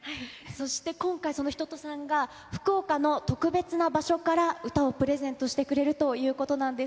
そして今回、その一青さんが福岡の特別な場所から歌をプレゼントしてくれるということなんです。